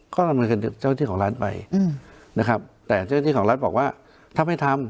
ก็ดำเนินคดีเจ้าที่ของรัฐไปนะครับแต่เจ้าหน้าที่ของรัฐบอกว่าถ้าไม่ทำ